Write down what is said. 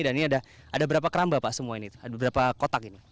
dan ini ada berapa keramba pak semua ini ada berapa kotak ini